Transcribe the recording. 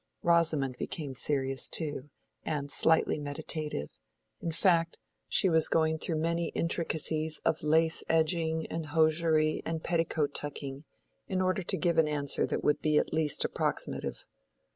Rosamond became serious too, and slightly meditative; in fact, she was going through many intricacies of lace edging and hosiery and petticoat tucking, in order to give an answer that would at least be approximative.